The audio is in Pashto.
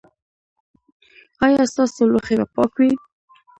ایا ستاسو لوښي به پاک وي؟